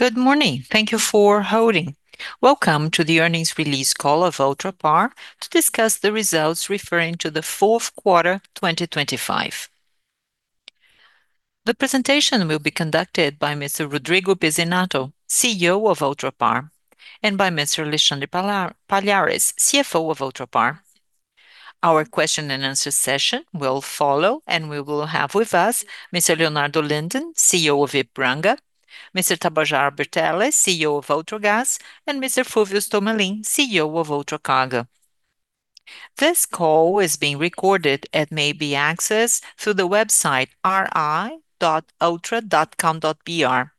Good morning. Thank you for holding. Welcome to the Earnings Release call of Ultrapar to discuss the results referring to the Fourth Quarter, 2025. The presentation will be conducted by Mr. Rodrigo Pizzinatto, CEO of Ultrapar, and by Mr. Alexandre Palhares, CFO of Ultrapar. Our question and answer session will follow, and we will have with us Mr. Leonardo Linden, CEO of Ipiranga, Mr. Tabajara Bertelli, CEO of Ultragaz, and Mr. Fulvius Tomelin, CEO of Ultracargo. This call is being recorded and may be accessed through the website ri.ultra.com.br.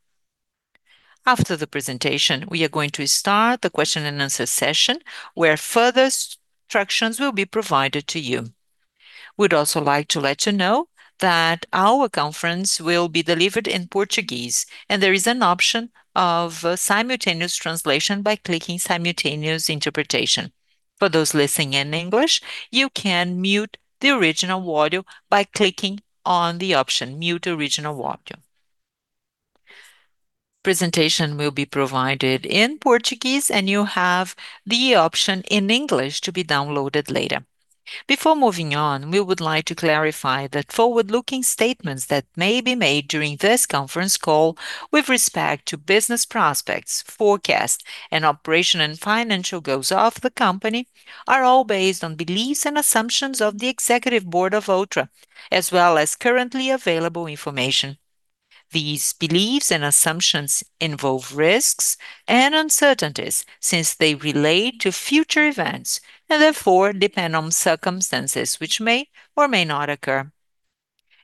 After the presentation, we are going to start the question and answer session where further instructions will be provided to you. We'd also like to let you know that our conference will be delivered in Portuguese, and there is an option of simultaneous translation by clicking Simultaneous Interpretation. For those listening in English, you can mute the original audio by clicking on the option Mute Original Audio. Presentation will be provided in Portuguese. You have the option in English to be downloaded later. Before moving on, we would like to clarify that forward-looking statements that may be made during this conference call with respect to business prospects, forecasts, and operational and financial goals of the company are all based on beliefs and assumptions of the executive board of Ultrapar, as well as currently available information. These beliefs and assumptions involve risks and uncertainties since they relate to future events, and therefore depend on circumstances which may or may not occur.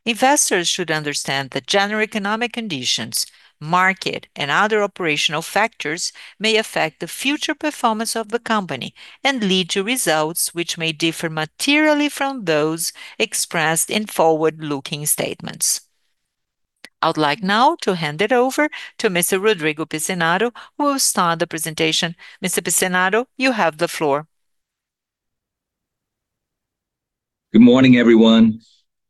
Investors should understand that general economic conditions, market, and other operational factors may affect the future performance of the company and lead to results which may differ materially from those expressed in forward-looking statements. I would like now to hand it over to Mr. Rodrigo Pizzinatto, who will start the presentation. Mr. Pizzinatto, you have the floor. Good morning, everyone.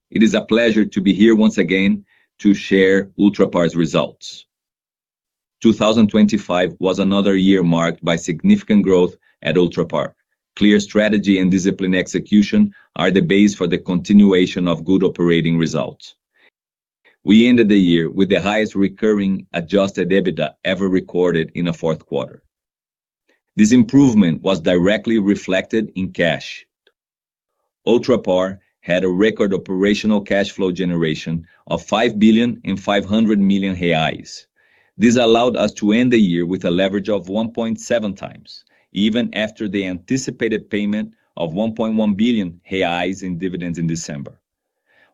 It is a pleasure to be here once again to share Ultrapar's results. 2025 was another year marked by significant growth at Ultrapar. Clear strategy and disciplined execution are the base for the continuation of good operating results. We ended the year with the highest recurring Adjusted EBITDA ever recorded in a fourth quarter. This improvement was directly reflected in cash. Ultrapar had a record operational cash flow generation of 5.5 billion. This allowed us to end the year with a leverage of 1.7 times, even after the anticipated payment of 1.1 billion reais in dividends in December.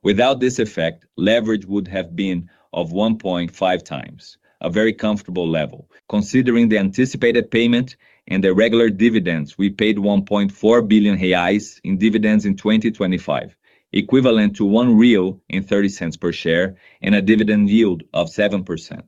Without this effect, leverage would have been of 1.5 times, a very comfortable level. Considering the anticipated payment and the regular dividends, we paid 1.4 billion reais in dividends in 2025, equivalent to 1.30 real per share and a dividend yield of 7%.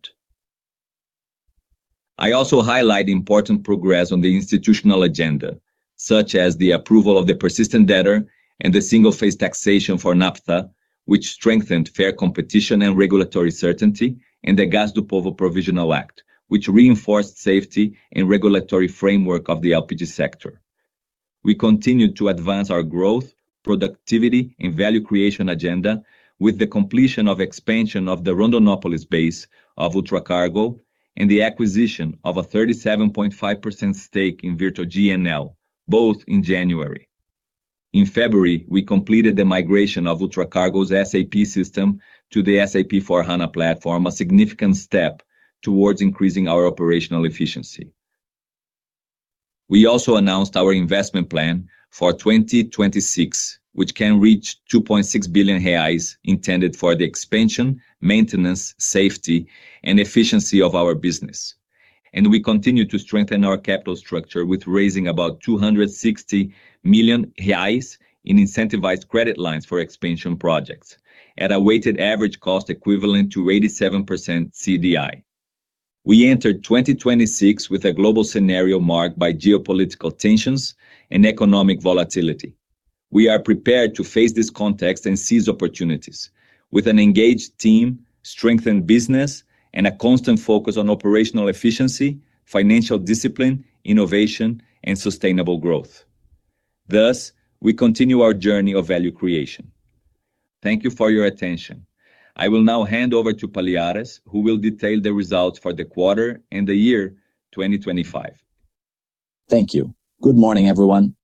I also highlight important progress on the institutional agenda, such as the approval of the persistent debtor and the single-phase taxation for naphtha, which strengthened fair competition and regulatory certainty, and the Gás para Todos, which reinforced safety and regulatory framework of the LPG sector. We continued to advance our growth, productivity, and value creation agenda with the completion of expansion of the Rondonópolis base of Ultracargo and the acquisition of a 37.5% stake in Virtual GNL, both in January. In February, we completed the migration of Ultracargo's SAP system to the SAP S/4HANA platform, a significant step towards increasing our operational efficiency. We also announced our investment plan for 2026, which can reach 2.6 billion reais intended for the expansion, maintenance, safety and efficiency of our business. We continue to strengthen our capital structure with raising about 260 million reais in incentivized credit lines for expansion projects at a weighted average cost equivalent to 87% CDI. We entered 2026 with a global scenario marked by geopolitical tensions and economic volatility. We are prepared to face this context and seize opportunities with an engaged team, strengthened business, and a constant focus on operational efficiency, financial discipline, innovation, and sustainable growth. Thus, we continue our journey of value creation. Thank you for your attention. I will now hand over to Palhares, who will detail the results for the quarter and the year 2025. Thank you. Good morning, everyone.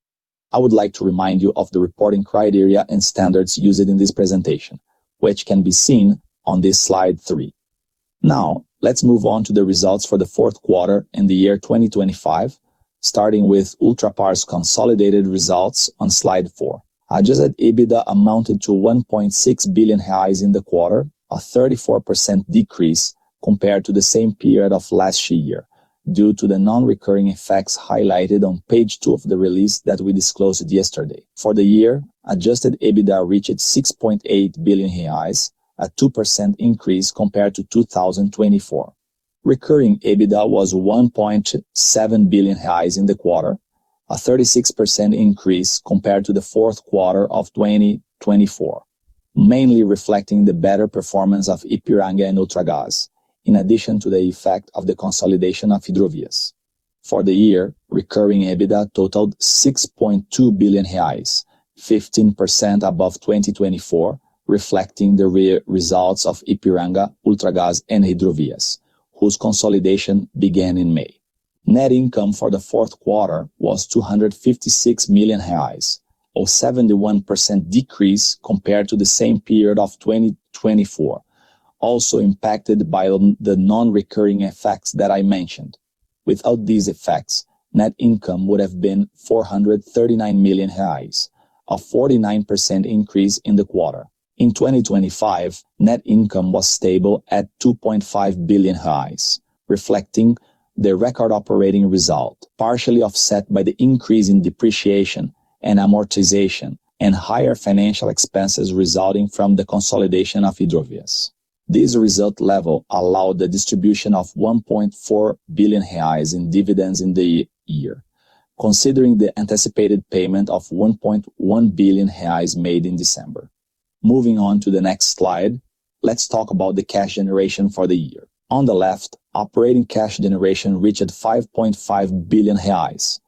I would like to remind you of the reporting criteria and standards used in this presentation, which can be seen on this slide 3. Let's move on to the results for the fourth quarter and the year 2025, starting with Ultrapar's consolidated results on slide 4. Adjusted EBITDA amounted to 1.6 billion in the quarter, a 34% decrease compared to the same period of last year due to the non-recurring effects highlighted on page 2 of the release that we disclosed yesterday. For the year, Adjusted EBITDA reached 6.8 billion reais, a 2% increase compared to 2024. Recurring EBITDA was 1.7 billion in the quarter, a 36% increase compared to the fourth quarter of 2024. Mainly reflecting the better performance of Ipiranga and Ultragaz, in addition to the effect of the consolidation of Hidrovias. For the year, recurring EBITDA totaled 6.2 billion reais, 15% above 2024, reflecting the real results of Ipiranga, Ultragaz, and Hidrovias, whose consolidation began in May. Net income for the fourth quarter was 256 million reais, a 71% decrease compared to the same period of 2024, also impacted by the non-recurring effects that I mentioned. Without these effects, net income would have been 439 million reais, a 49% increase in the quarter. In 2025, net income was stable at 2.5 billion, reflecting the record operating result, partially offset by the increase in depreciation and amortization and higher financial expenses resulting from the consolidation of Hidrovias. This result level allowed the distribution of 1.4 billion reais in dividends in the year, considering the anticipated payment of 1.1 billion reais made in December. Moving on to the next slide, let's talk about the cash generation for the year. On the left, operating cash generation reached 5.5 billion reais,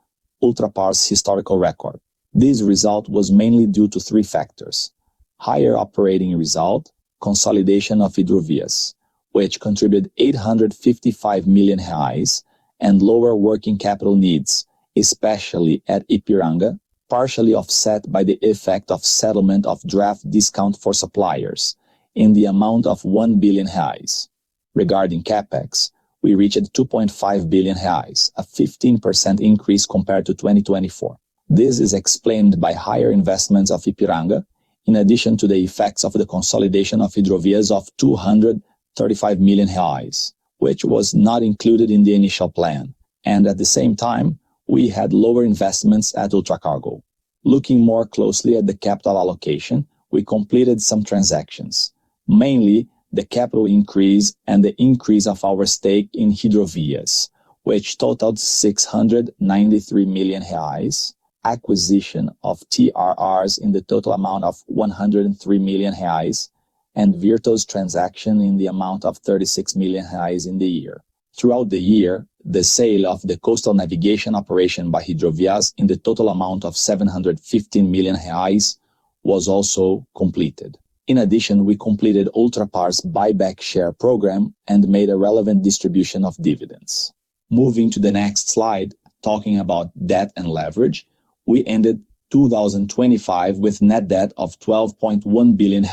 Ultrapar's historical record. This result was mainly due to three factors: higher operating result, consolidation of Hidrovias, which contributed 855 million reais, and lower working capital needs, especially at Ipiranga, partially offset by the effect of settlement of draft discount for suppliers in the amount of 1 billion reais. Regarding CapEx, we reached 2.5 billion reais, a 15% increase compared to 2024. This is explained by higher investments of Ipiranga, in addition to the effects of the consolidation of Hidrovias of 235 million reais, which was not included in the initial plan. At the same time, we had lower investments at Ultracargo. Looking more closely at the capital allocation, we completed some transactions, mainly the capital increase and the increase of our stake in Hidrovias, which totaled 693 million reais, acquisition of TRRs in the total amount of 103 million reais, and Virtual GNL transaction in the amount of 36 million reais in the year. Throughout the year, the sale of the coastal navigation operation by Hidrovias in the total amount of 750 million reais was also completed. In addition, we completed Ultrapar's buyback share program and made a relevant distribution of dividends. Moving to the next slide, talking about debt and leverage, we ended 2025 with net debt of 12.1 billion,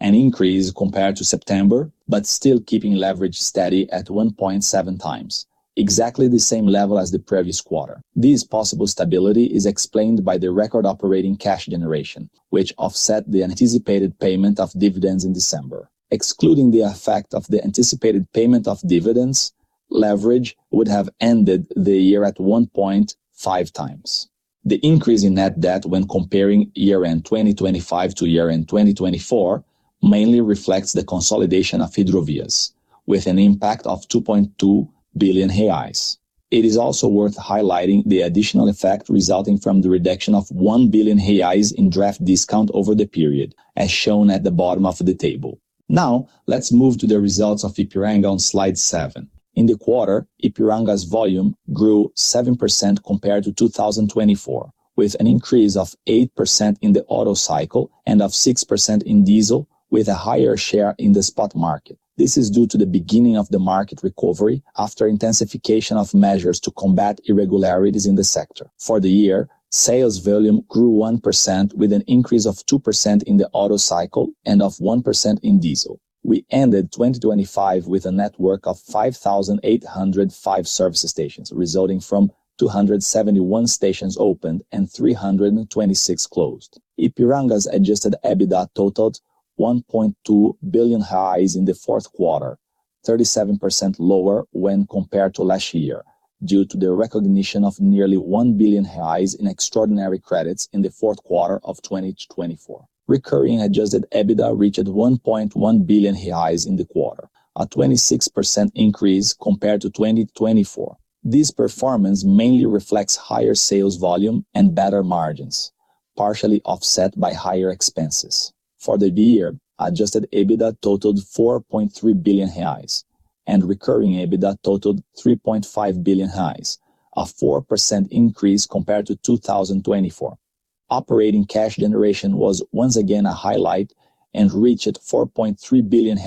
an increase compared to September, but still keeping leverage steady at 1.7 times. Exactly the same level as the previous quarter. This possible stability is explained by the record operating cash generation, which offset the anticipated payment of dividends in December. Excluding the effect of the anticipated payment of dividends, leverage would have ended the year at 1.5 times. The increase in net debt when comparing year-end 2025 to year-end 2024 mainly reflects the consolidation of Hidrovias, with an impact of 2.2 billion reais. It is also worth highlighting the additional effect resulting from the reduction of 1 billion reais in draft discount over the period, as shown at the bottom of the table. Let's move to the results of Ipiranga on slide 7. In the quarter, Ipiranga's volume grew 7% compared to 2024, with an increase of 8% in the Otto cycle and of 6% in diesel, with a higher share in the spot market. This is due to the beginning of the market recovery after intensification of measures to combat irregularities in the sector. For the year, sales volume grew 1% with an increase of 2% in the Otto cycle and of 1% in diesel. We ended 2025 with a network of 5,805 service stations, resulting from 271 stations opened and 326 closed. Ipiranga's Adjusted EBITDA totaled 1.2 billion in the fourth quarter, 37% lower when compared to last year, due to the recognition of nearly 1 billion reais in extraordinary credits in the fourth quarter of 2024. Recurring Adjusted EBITDA reached 1.1 billion reais in the quarter, a 26% increase compared to 2024. This performance mainly reflects higher sales volume and better margins, partially offset by higher expenses. For the year, Adjusted EBITDA totaled 4.3 billion reais and recurring EBITDA totaled 3.5 billion reais, a 4% increase compared to 2024. Operating cash generation was once again a highlight and reached 4.3 billion,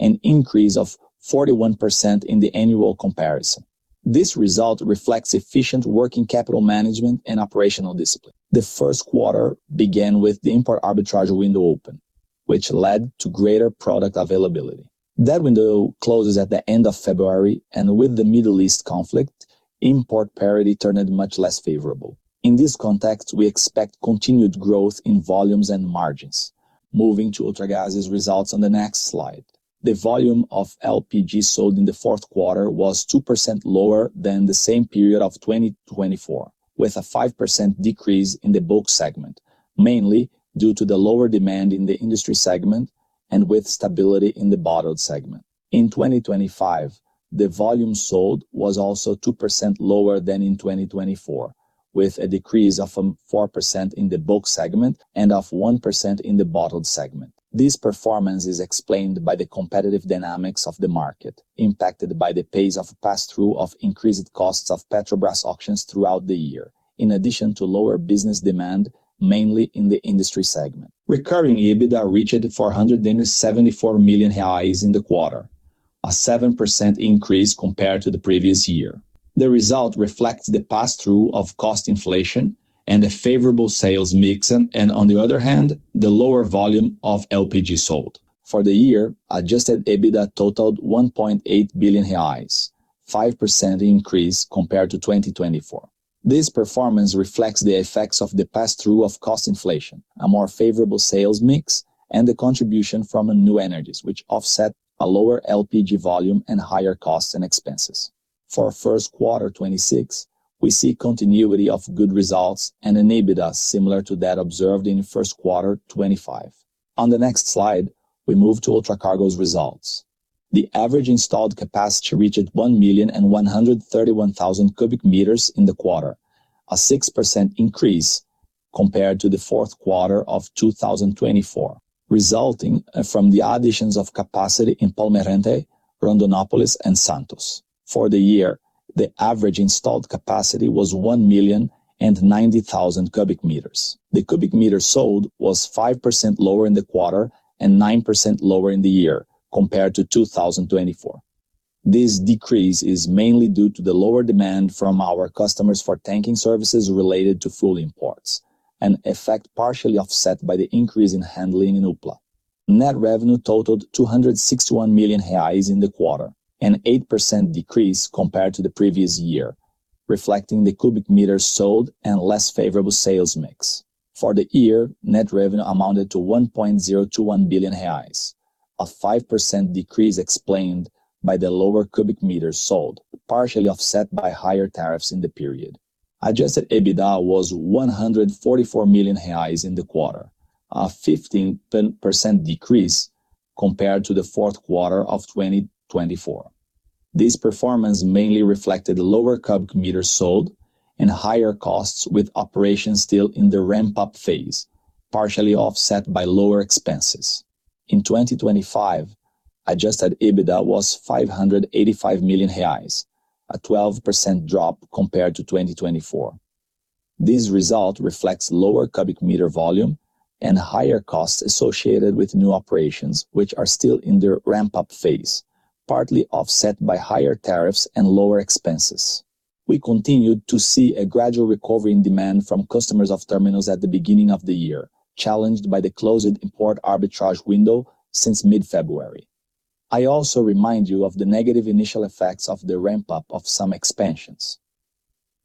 an increase of 41% in the annual comparison. This result reflects efficient working capital management and operational discipline. The first quarter began with the import arbitrage window open, which led to greater product availability. That window closes at the end of February. With the Middle East conflict, import parity turned much less favorable. In this context, we expect continued growth in volumes and margins. Moving to Ultragaz's results on the next slide. The volume of LPG sold in the fourth quarter was 2% lower than the same period of 2024, with a 5% decrease in the book segment, mainly due to the lower demand in the industry segment. With stability in the bottled segment. In 2025, the volume sold was also 2% lower than in 2024, with a decrease of 4% in the bulk segment and of 1% in the bottled segment. This performance is explained by the competitive dynamics of the market, impacted by the pace of pass-through of increased costs of Petrobras auctions throughout the year, in addition to lower business demand, mainly in the industry segment. Recurring EBITDA reached 474 million reais in the quarter, a 7% increase compared to the previous year. The result reflects the pass-through of cost inflation and a favorable sales mix, and on the other hand, the lower volume of LPG sold. For the year, Adjusted EBITDA totaled 1.8 billion reais, 5% increase compared to 2024. This performance reflects the effects of the pass-through of cost inflation, a more favorable sales mix, and the contribution from a New Energies, which offset a lower LPG volume and higher costs and expenses. For first quarter 26, we see continuity of good results and an EBITDA similar to that observed in first quarter 25. On the next slide, we move to Ultracargo's results. The average installed capacity reached 1,131,000 cubic meters in the quarter, a 6% increase compared to the fourth quarter of 2024, resulting from the additions of capacity in Palmeirante, Rondonópolis, and Santos. For the year, the average installed capacity was 1,090,000 cubic meters. The cubic meter sold was 5% lower in the quarter and 9% lower in the year compared to 2024. This decrease is mainly due to the lower demand from our customers for tanking services related to fuel imports, an effect partially offset by the increase in handling in OPLA. Net revenue totaled 261 million reais in the quarter, an 8% decrease compared to the previous year, reflecting the cubic meters sold and less favorable sales mix. For the year, net revenue amounted to 1.021 billion reais, a 5% decrease explained by the lower cubic meters sold, partially offset by higher tariffs in the period. Adjusted EBITDA was 144 million reais in the quarter, a 15% decrease compared to the fourth quarter of 2024. This performance mainly reflected lower cubic meters sold and higher costs with operations still in the ramp-up phase, partially offset by lower expenses. In 2025, Adjusted EBITDA was 585 million reais, a 12% drop compared to 2024. This result reflects lower cubic meter volume and higher costs associated with new operations, which are still in their ramp-up phase, partly offset by higher tariffs and lower expenses. We continued to see a gradual recovery in demand from customers of terminals at the beginning of the year, challenged by the closed import arbitrage window since mid-February. I also remind you of the negative initial effects of the ramp-up of some expansions.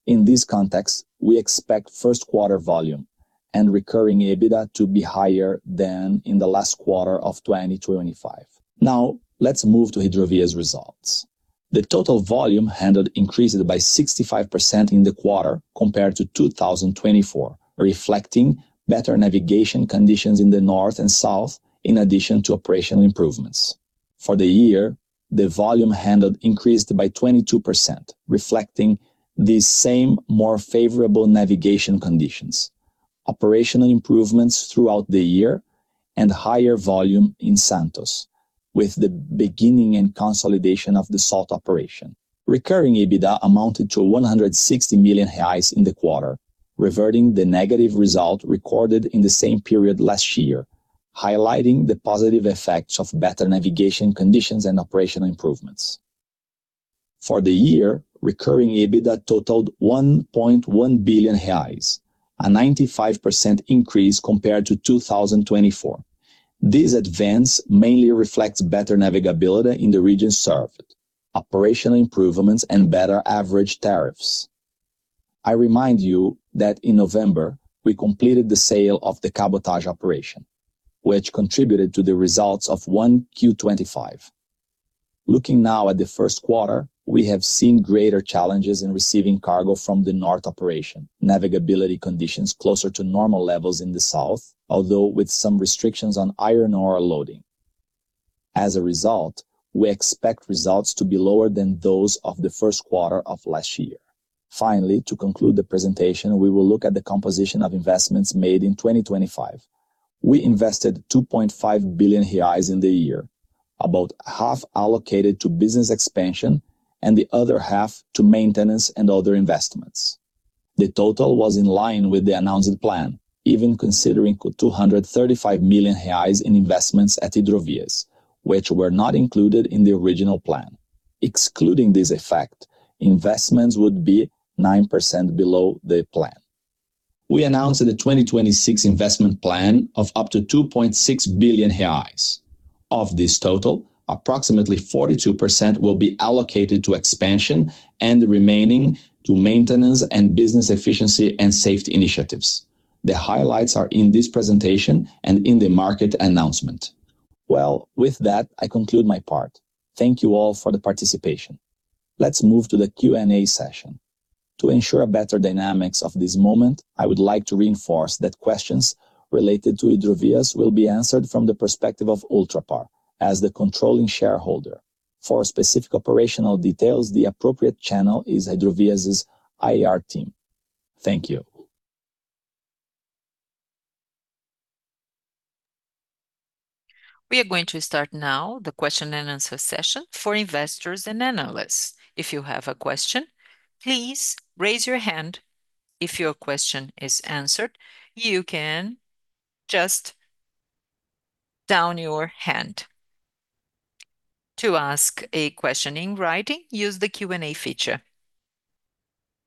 In this context, we expect first quarter volume and recurring EBITDA to be higher than in the last quarter of 2025. Now, let's move to Hidrovias results. The total volume handled increased by 65% in the quarter compared to 2024, reflecting better navigation conditions in the north and south, in addition to operational improvements. For the year, the volume handled increased by 22%, reflecting the same more favorable navigation conditions, operational improvements throughout the year, and higher volume in Santos with the beginning and consolidation of the salt operation. Recurring EBITDA amounted to 160 million reais in the quarter, reverting the negative result recorded in the same period last year, highlighting the positive effects of better navigation conditions and operational improvements. For the year, recurring EBITDA totaled 1.1 billion reais, a 95% increase compared to 2024. This advance mainly reflects better navigability in the region served, operational improvements, and better average tariffs. I remind you that in November, we completed the sale of the Cabotage operation, which contributed to the results of 1Q25. Looking now at the first quarter, we have seen greater challenges in receiving cargo from the north operation, navigability conditions closer to normal levels in the south, although with some restrictions on iron ore loading. As a result, we expect results to be lower than those of the first quarter of last year. Finally, to conclude the presentation, we will look at the composition of investments made in 2025. We invested 2.5 billion reais in the year, about half allocated to business expansion and the other half to maintenance and other investments. The total was in line with the announced plan, even considering 235 million reais in investments at Hidrovias, which were not included in the original plan. Excluding this effect, investments would be 9% below the plan. We announced the 2026 investment plan of up to 2.6 billion reais. Of this total, approximately 42% will be allocated to expansion and the remaining to maintenance and business efficiency and safety initiatives. The highlights are in this presentation and in the market announcement. Well, with that, I conclude my part. Thank you all for the participation. Let's move to the Q&A session. To ensure a better dynamics of this moment, I would like to reinforce that questions related to Hidrovias will be answered from the perspective of Ultrapar as the controlling shareholder. For specific operational details, the appropriate channel is Hidrovias IR team. Thank you. We are going to start now the question and answer session for investors and analysts. If you have a question, please raise your hand. If your question is answered, you can just down your hand. To ask a question in writing, use the Q&A feature.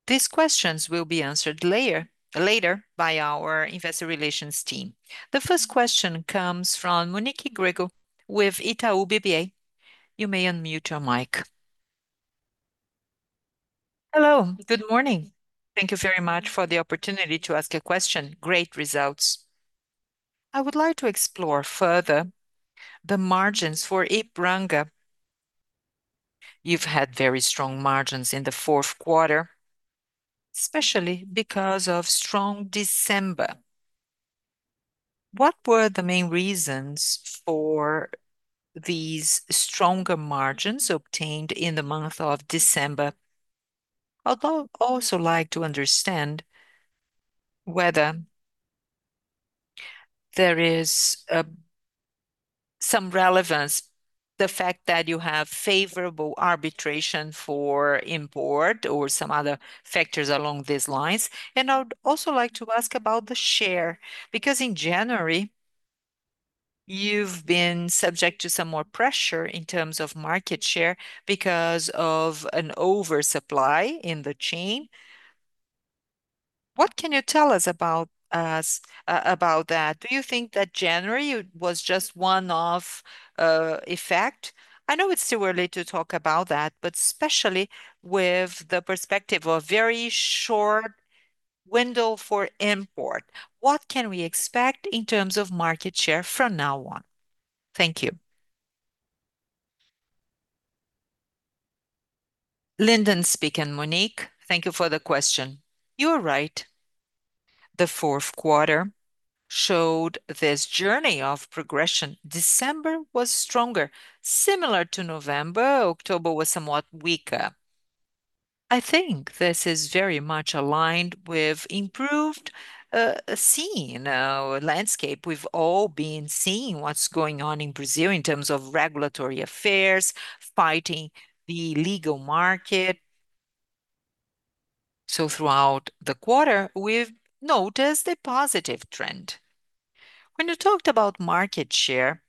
These questions will be answered later by our investor relations team. The first question comes from Monique Greco with Itaú BBA. You may unmute your mic. Hello. Good morning. Thank you very much for the opportunity to ask a question. Great results. I would like to explore further the margins for Ipiranga. You've had very strong margins in the fourth quarter, especially because of strong December. What were the main reasons for these stronger margins obtained in the month of December? I'd also like to understand whether there is some relevance, the fact that you have favorable arbitration for import or some other factors along these lines. I would also like to ask about the share, because in January, you've been subject to some more pressure in terms of market share because of an oversupply in the chain. What can you tell us about that? Do you think that January was just one-off effect? I know it's too early to talk about that, but especially with the perspective of very short window for import, what can we expect in terms of market share from now on? Thank you. Linden speaking, Monique. Thank you for the question. You are right. The fourth quarter showed this journey of progression. December was stronger. Similar to November, October was somewhat weaker. I think this is very much aligned with improved scene landscape. We've all been seeing what's going on in Brazil in terms of regulatory affairs, fighting the illegal market. Throughout the quarter, we've noticed a positive trend. When you talked about market share,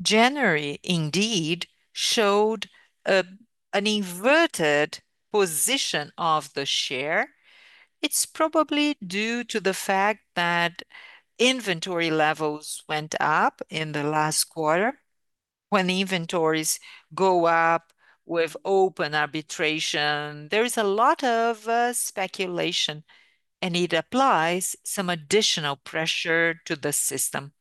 January indeed showed an inverted position of the share. It's probably due to the fact that inventory levels went up in the last quarter. When inventories go up with open arbitration, there is a lot of speculation, and it applies some additional pressure to the system.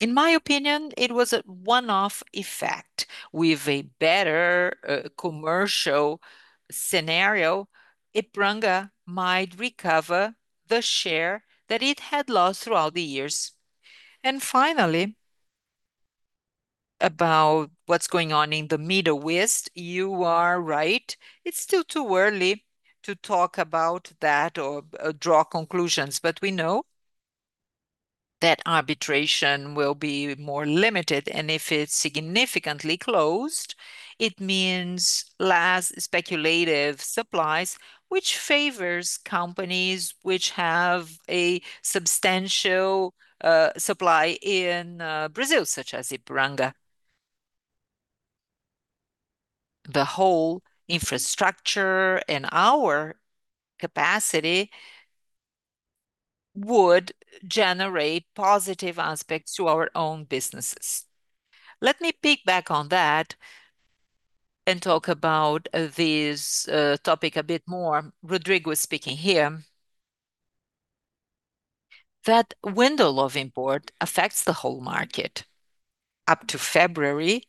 In my opinion, it was a one-off effect. With a better commercial scenario, Ipiranga might recover the share that it had lost throughout the years. Finally, about what's going on in the Middle East, you are right. It's still too early to talk about that or draw conclusions. We know that arbitrage will be more limited, and if it's significantly closed, it means less speculative supplies, which favors companies which have a substantial supply in Brazil, such as Ipiranga. The whole infrastructure and our capacity would generate positive aspects to our own businesses. Let me pick back on that and talk about this topic a bit more. Rodrigo speaking here. That window of import affects the whole market. Up to February,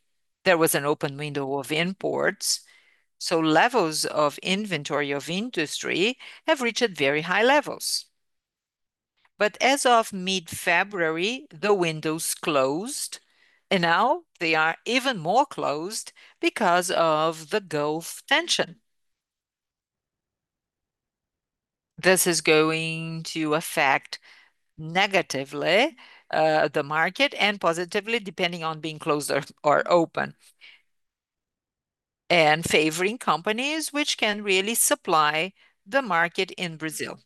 there was an open window of imports, so levels of inventory of industry have reached very high levels. As of mid-February, the window's closed, and now they are even more closed because of the Gulf tension. This is going to affect negatively the market, and positively, depending on being closed or open, and favoring companies which can really supply the market in Brazil.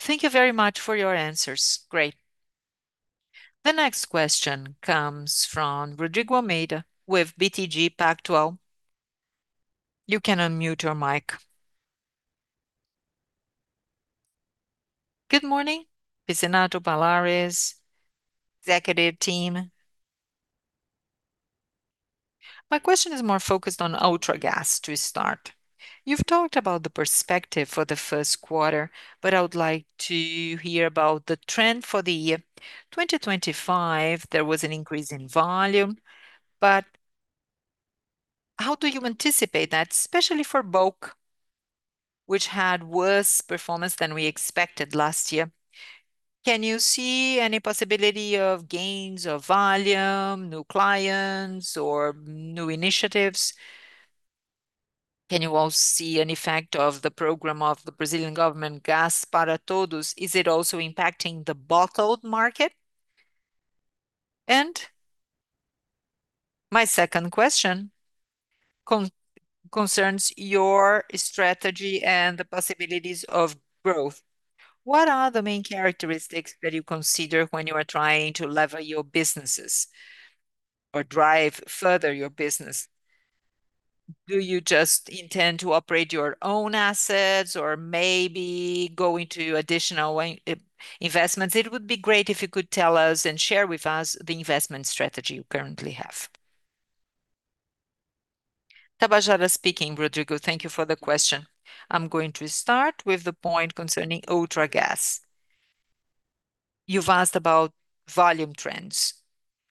Thank you very much for your answers. Great. The next question comes from Rodrigo Almeida with BTG Pactual. You can unmute your mic. Good morning, Pizzinatto, Palhares, executive team. My question is more focused on Ultragaz to start. You've talked about the perspective for the first quarter, but I would like to hear about the trend for the year. 2025, there was an increase in volume. How do you anticipate that, especially for bulk, which had worse performance than we expected last year? Can you see any possibility of gains of volume, new clients, or new initiatives? Can you all see any fact of the program of the Brazilian government, Gás para Todos, is it also impacting the bottled market? My second question concerns your strategy and the possibilities of growth. What are the main characteristics that you consider when you are trying to lever your businesses or drive further your business? Do you just intend to operate your own assets or maybe go into additional investments? It would be great if you could tell us and share with us the investment strategy you currently have. Tabajara speaking, Rodrigo. Thank you for the question. I'm going to start with the point concerning Ultragaz. You've asked about volume trends.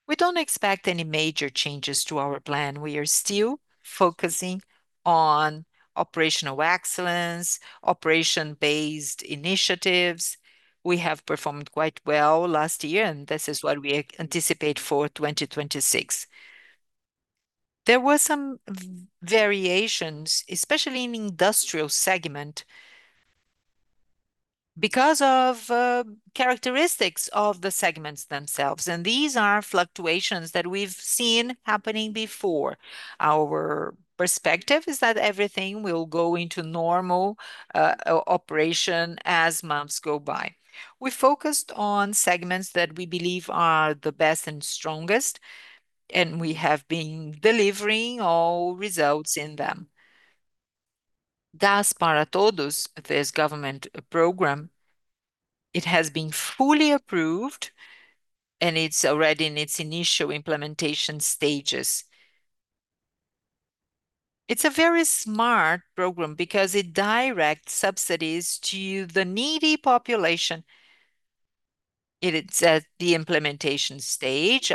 We don't expect any major changes to our plan. We are still focusing on operational excellence, operation-based initiatives. We have performed quite well last year, and this is what we anticipate for 2026. There were some variations, especially in industrial segment, because of characteristics of the segments themselves, and these are fluctuations that we've seen happening before. Our perspective is that everything will go into normal operation as months go by. We focused on segments that we believe are the best and strongest, and we have been delivering all results in them. Gas para Todos, this government program, it has been fully approved, and it's already in its initial implementation stages. It's a very smart program because it directs subsidies to the needy population. It is at the implementation stage.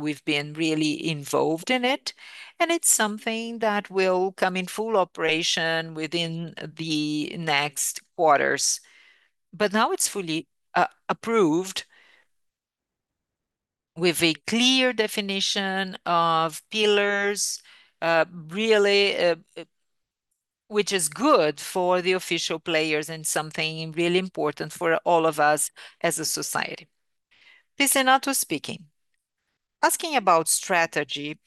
We've been really involved in it, and it's something that will come in full operation within the next quarters. Now it's fully approved with a clear definition of pillars, really, which is good for the official players and something really important for all of us as a society. Pizzinatto speaking. Asking about strategy,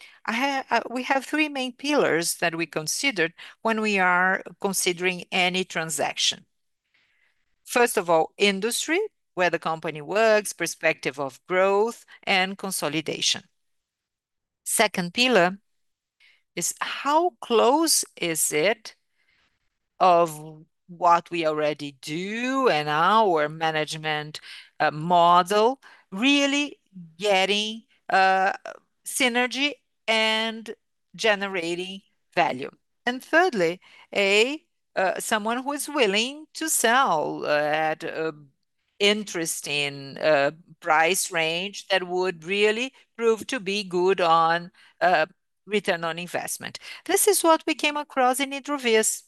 we have three main pillars that we considered when we are considering any transaction. First of all, industry, where the company works, perspective of growth, and consolidation. Second pillar is how close is it of what we already do and our management model really getting synergy and generating value. Thirdly, a someone who is willing to sell at interesting price range that would really prove to be good on return on investment. This is what we came across in Hidrovias,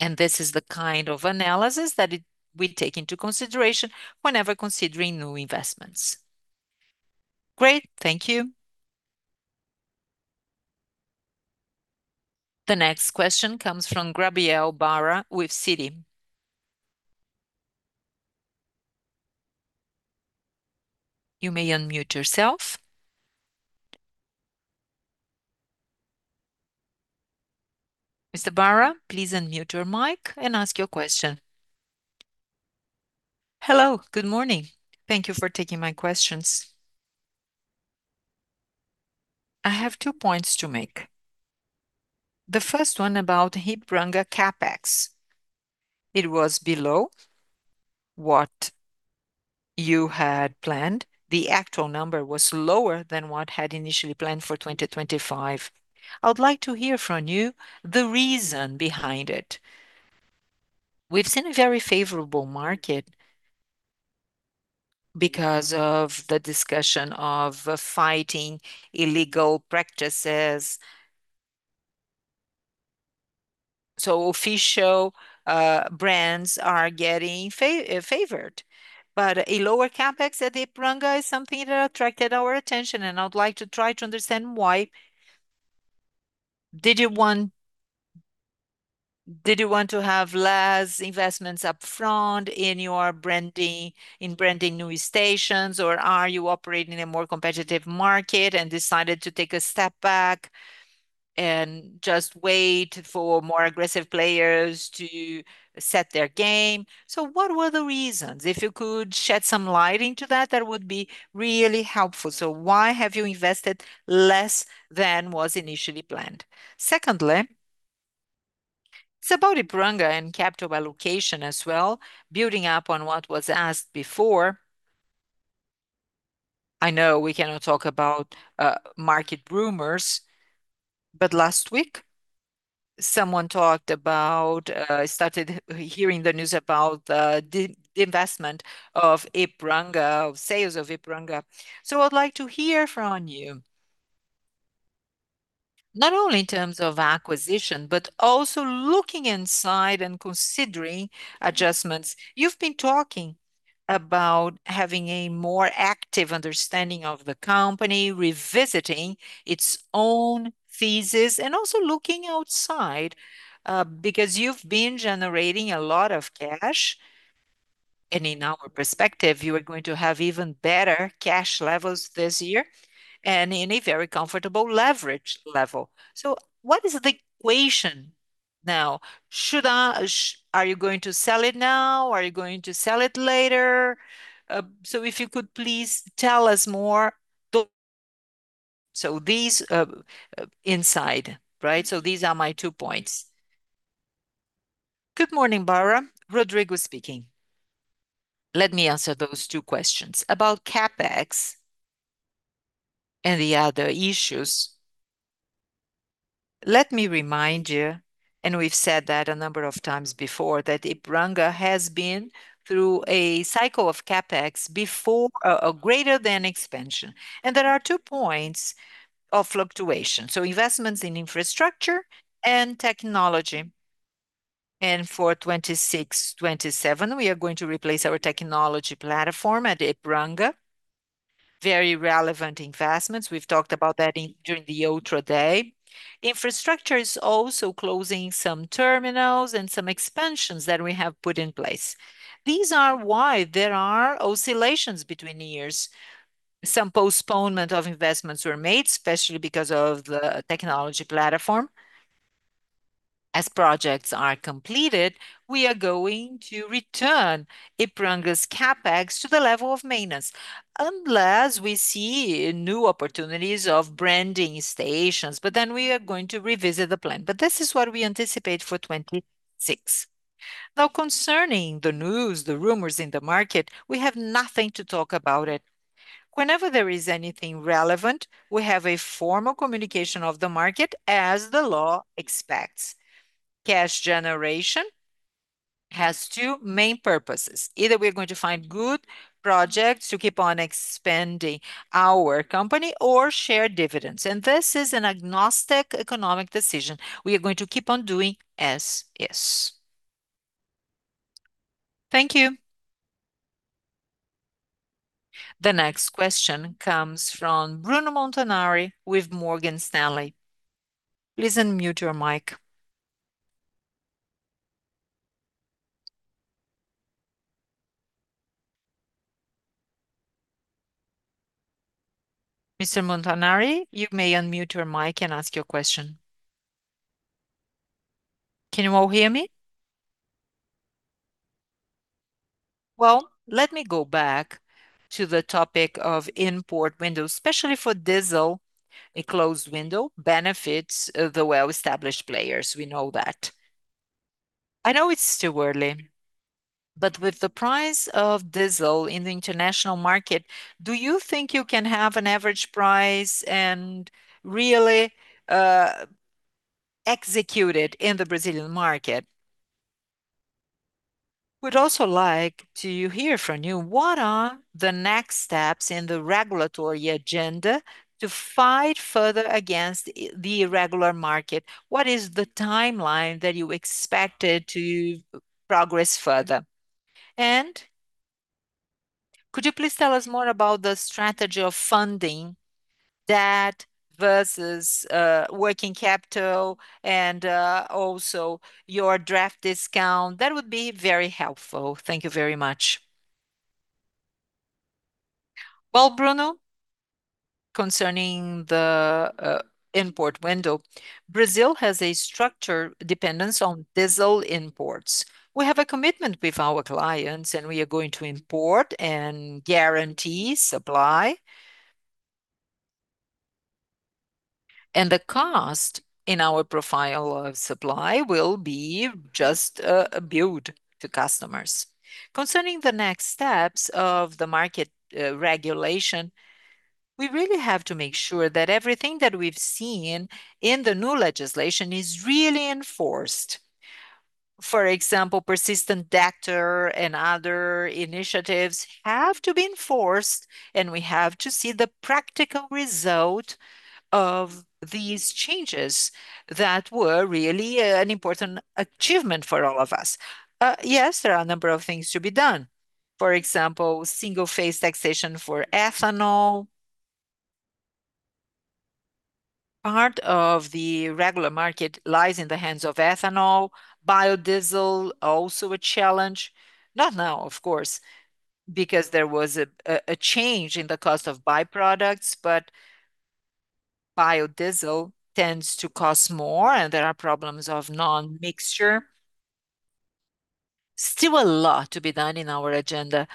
and this is the kind of analysis that it, we take into consideration whenever considering new investments. Great. Thank you. The next question comes from Gabriel Barra with Citi. You may unmute yourself. Mr. Barra, please unmute your mic and ask your question. Hello, good morning. Thank you for taking my questions. I have two points to make. The first one about Ipiranga CapEx. It was below what you had planned. The actual number was lower than what had initially planned for 2025. I would like to hear from you the reason behind it. We've seen a very favorable market because of the discussion of fighting illegal practices, so official brands are getting favored. A lower CapEx at Ipiranga is something that attracted our attention, and I would like to try to understand why. Did you want to have less investments upfront in your branding, in branding new stations? Or are you operating in a more competitive market and decided to take a step back and just wait for more aggressive players to set their game? What were the reasons? If you could shed some light into that would be really helpful. Why have you invested less than was initially planned? Secondly, it's about Ipiranga and capital allocation as well, building up on what was asked before. I know we cannot talk about market rumors, but last week, someone talked about started hearing the news about the investment of Ipiranga, of sales of Ipiranga. I'd like to hear from you, not only in terms of acquisition, but also looking inside and considering adjustments. You've been talking about having a more active understanding of the company, revisiting its own thesis, and also looking outside, because you've been generating a lot of cash. In our perspective, you are going to have even better cash levels this year, and in a very comfortable leverage level. What is the equation now? Are you going to sell it now? Are you going to sell it later? If you could please tell us more. These, inside, right? These are my 2 points. Good morning, Barra. Rodrigo speaking. Let me answer those 2 questions. About CapEx and the other issues, let me remind you, and we've said that a number of times before, that Ipiranga has been through a cycle of CapEx before, greater than expansion. There are 2 points of fluctuation. Investments in infrastructure and technology. For 2026, 2027, we are going to replace our technology platform at Ipiranga. Very relevant investments. We've talked about that in, during the Ultra Day. Infrastructure is also closing some terminals and some expansions that we have put in place. These are why there are oscillations between years. Some postponement of investments were made, especially because of the technology platform. As projects are completed, we are going to return Ipiranga's CapEx to the level of maintenance, unless we see new opportunities of branding stations, we are going to revisit the plan. This is what we anticipate for 2026. Concerning the news, the rumors in the market, we have nothing to talk about it. Whenever there is anything relevant, we have a formal communication of the market as the law expects. Cash generation has two main purposes. Either we're going to find good projects to keep on expanding our company or share dividends. This is an agnostic economic decision we are going to keep on doing as is. Thank you. The next question comes from Bruno Montanari with Morgan Stanley. Please unmute your mic. Mr. Montanari, you may unmute your mic and ask your question. Can you all hear me? Well, let me go back to the topic of import window, especially for diesel. A closed window benefits the well-established players. We know that. I know it's still early, but with the price of diesel in the international market, do you think you can have an average price and really execute it in the Brazilian market? Would also like to hear from you, what are the next steps in the regulatory agenda to fight further against the irregular market? What is the timeline that you expected to progress further? Could you please tell us more about the strategy of funding debt versus working capital and also your draft discount? That would be very helpful. Thank you very much. Well, Bruno, concerning the import window, Brazil has a structure dependence on diesel imports. We have a commitment with our clients, and we are going to import and guarantee supply. The cost in our profile of supply will be just billed to customers. Concerning the next steps of the market regulation, we really have to make sure that everything that we've seen in the new legislation is really enforced. For example, persistent debtor and other initiatives have to be enforced, and we have to see the practical result of these changes that were really an important achievement for all of us. Yes, there are a number of things to be done. For example, single-phase taxation for ethanol. Part of the regular market lies in the hands of ethanol. Biodiesel, also a challenge. Not now, of course, because there was a change in the cost of byproducts, but biodiesel tends to cost more, and there are problems of non-mixture. Still a lot to be done in our agenda.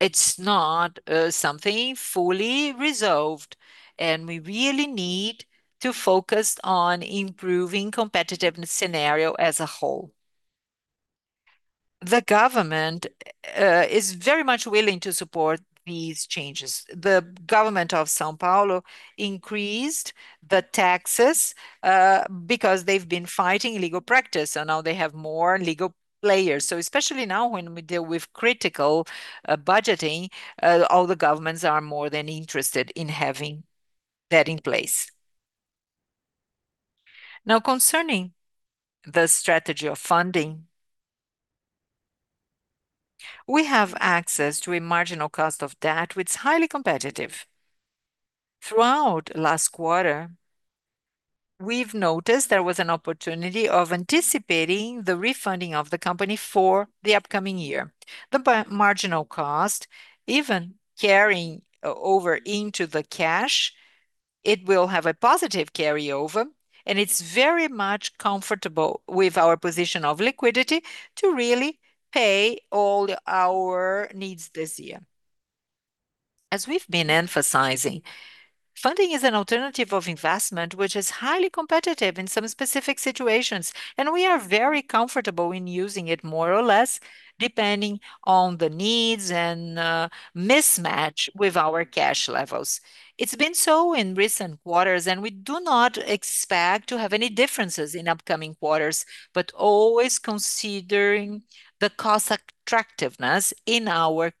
It's not something fully resolved, we really need to focus on improving competitiveness scenario as a whole. The government is very much willing to support these changes. The government of São Paulo increased the taxes because they've been fighting legal practice, now they have more legal players. Especially now when we deal with critical budgeting, all the governments are more than interested in having that in place. Concerning the strategy of funding, we have access to a marginal cost of debt which is highly competitive. Throughout last quarter, we've noticed there was an opportunity of anticipating the refunding of the company for the upcoming year. The marginal cost, even carrying over into the cash, it will have a positive carryover. It's very much comfortable with our position of liquidity to really pay all our needs this year. As we've been emphasizing, funding is an alternative of investment which is highly competitive in some specific situations. We are very comfortable in using it more or less depending on the needs and mismatch with our cash levels. It's been so in recent quarters. We do not expect to have any differences in upcoming quarters, always considering the cost attractiveness in our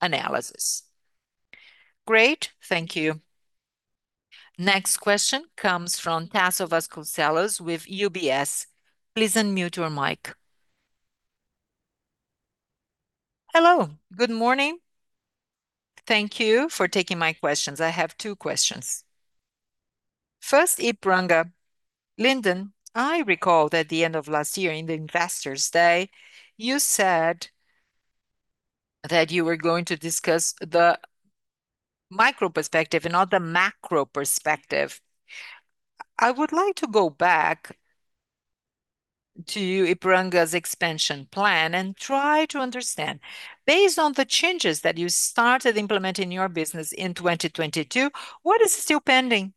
analysis. Great. Thank you. Next question comes from Tasso Vasconcellos with UBS. Please unmute your mic. Hello. Good morning. Thank you for taking my questions. I have two questions. First, Ipiranga. Linden, I recalled at the end of last year in the Ultra Day, you said that you were going to discuss the micro perspective and not the macro perspective. I would like to go back to Ipiranga's expansion plan and try to understand, based on the changes that you started implementing your business in 2022, what is still pending?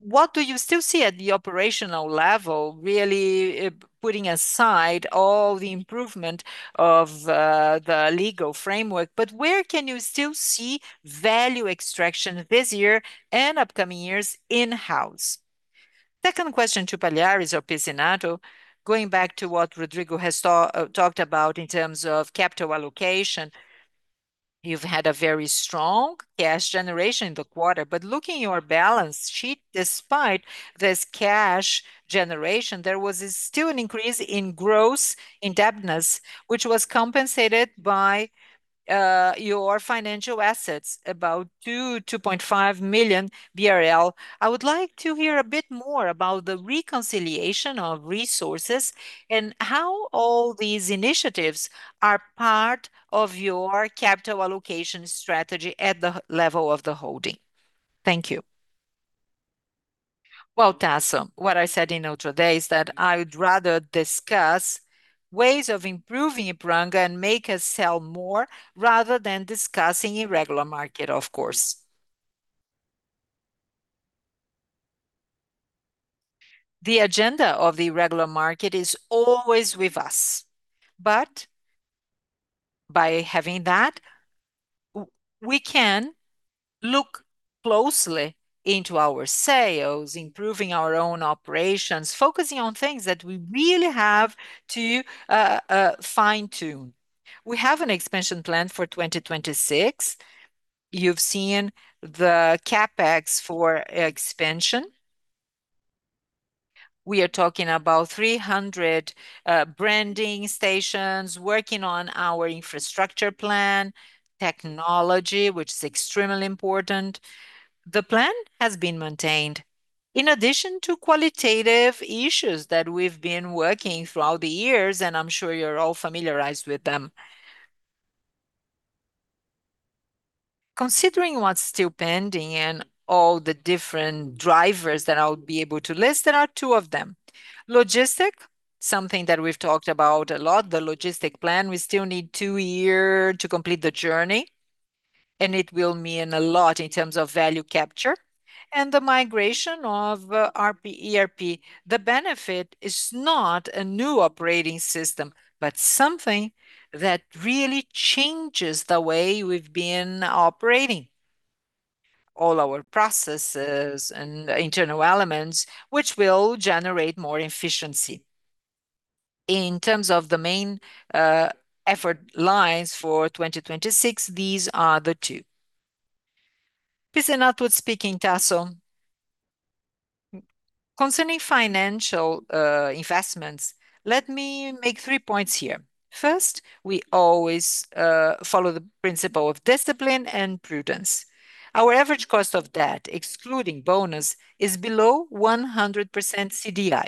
What do you still see at the operational level really, putting aside all the improvement of the legal framework, but where can you still see value extraction this year and upcoming years in-house? Second question to Palhares or Pizzinatto. Going back to what Rodrigo has talked about in terms of capital allocation, you've had a very strong cash generation in the quarter. Looking your balance sheet despite this cash generation, there was still an increase in gross indebtedness, which was compensated by your financial assets, about 2 million-2.5 million BRL. I would like to hear a bit more about the reconciliation of resources and how all these initiatives are part of your capital allocation strategy at the level of the holding. Thank you. Tasso, what I said in other day is that I would rather discuss ways of improving Ipiranga and make us sell more rather than discussing irregular market, of course. The agenda of the irregular market is always with us. By having that, we can look closely into our sales, improving our own operations, focusing on things that we really have to fine-tune. We have an expansion plan for 2026. You've seen the CapEx for expansion. We are talking about 300 branding stations working on our infrastructure plan, technology, which is extremely important. The plan has been maintained. In addition to qualitative issues that we've been working throughout the years, I'm sure you're all familiarized with them. Considering what's still pending and all the different drivers that I'll be able to list, there are two of them. Logistic, something that we've talked about a lot, the logistic plan. We still need 2 year to complete the journey, and it will mean a lot in terms of value capture. The migration of ERP. The benefit is not a new operating system, but something that really changes the way we've been operating all our processes and internal elements, which will generate more efficiency. In terms of the main effort lies for 2026, these are the two. Pizzinatto speaking, Tasso. Concerning financial investments, let me make three points here. First, we always follow the principle of discipline and prudence. Our average cost of debt, excluding bonus, is below 100% CDI.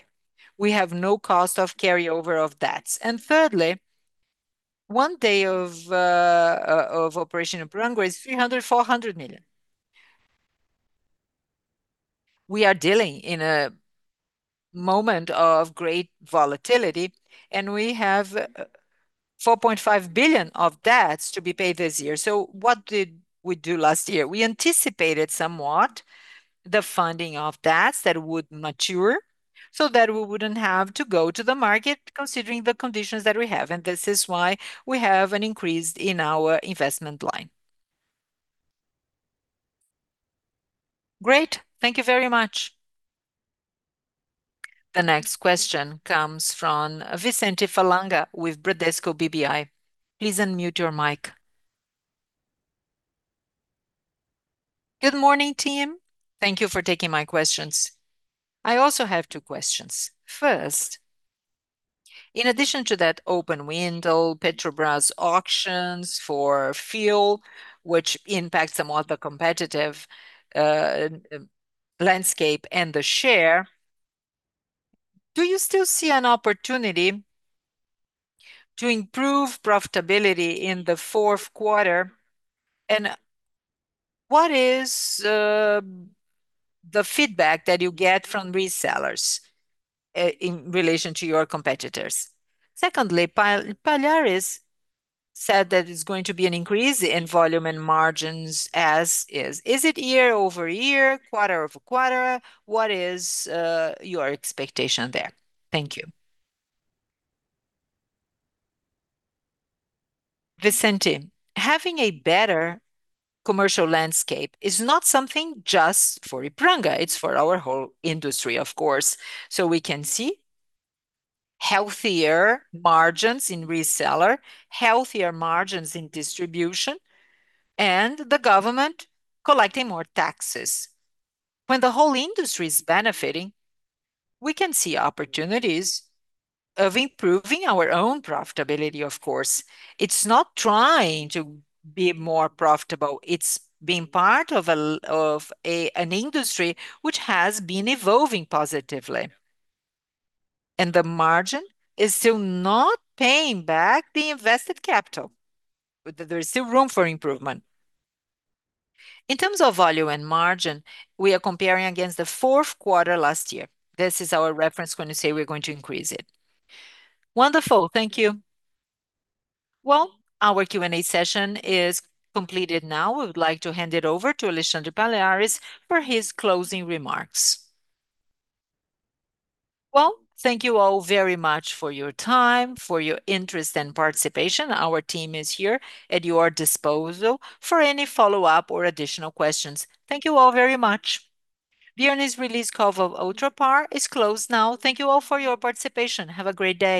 We have no cost of carryover of debts. Thirdly, one day of operation Ipiranga is BRL 300 million-BRL 400 million. We are dealing in a moment of great volatility, and we have 4.5 billion of debts to be paid this year. What did we do last year? We anticipated somewhat the funding of debts that would mature so that we wouldn't have to go to the market considering the conditions that we have, and this is why we have an increase in our investment line. Great. Thank you very much. The next question comes from Vicente Falanga with Bradesco BBI. Please unmute your mic. Good morning, team. Thank you for taking my questions. I also have two questions. First, in addition to that open window, Petrobras auctions for fuel, which impacts somewhat the competitive landscape and the share, do you still see an opportunity to improve profitability in the fourth quarter? What is the feedback that you get from resellers in relation to your competitors? Secondly, Palhares said that it's going to be an increase in volume and margins as is. Is it year-over-year, quarter-over-quarter? What is your expectation there? Thank you. Vicente, having a better commercial landscape is not something just for Ipiranga. It's for our whole industry, of course. We can see healthier margins in reseller, healthier margins in distribution, and the government collecting more taxes. When the whole industry is benefiting, we can see opportunities of improving our own profitability, of course. It's not trying to be more profitable, it's being part of a an industry which has been evolving positively. The margin is still not paying back the invested capital. There is still room for improvement. In terms of value and margin, we are comparing against the fourth quarter last year. This is our reference when we say we're going to increase it. Wonderful. Thank you. Our Q&A session is completed now. We would like to hand it over to Alexandre Palhares for his closing remarks. Thank you all very much for your time, for your interest and participation. Our team is here at your disposal for any follow-up or additional questions. Thank you all very much. The earnings release call of Ultrapar is closed now. Thank you all for your participation. Have a great day